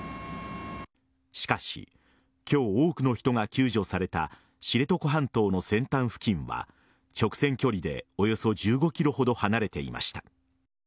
しかし、今日多くの人が救助された知床半島の先端付近は直線距離でおよそ１５ｋｍほど離れていました。